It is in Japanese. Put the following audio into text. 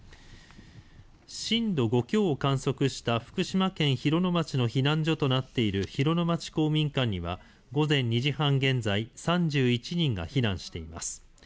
震度５強を観測した福島県広野町の避難所となっている広野町公民館には午前２時半現在３１人が避難しています。